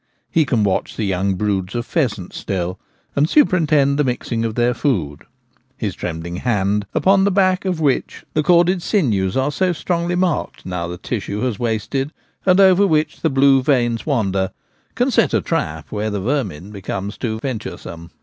He can watch the young broods of pheasants still, and superintend the mixing of their food : his trembling hand, upon the back of which the corded sinews are so strongly marked now the tissue has wasted, and over which the blue veins wander, can set a trap when the vermin become too venturesome.